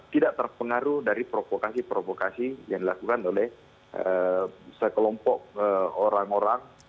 tidak terpengaruh dari provokasi provokasi yang dilakukan oleh sekelompok orang orang